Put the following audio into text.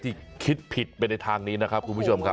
ที่คิดผิดไปในทางนี้นะครับคุณผู้ชมครับ